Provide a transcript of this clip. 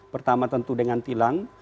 pertama tentu dengan tilang